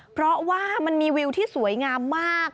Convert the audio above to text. เพราะว่ามันมีวิวที่สวยงามมาก